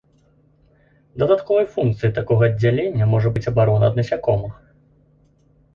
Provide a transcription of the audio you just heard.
Дадатковай функцыяй такога аддзялення можа быць абарона ад насякомых.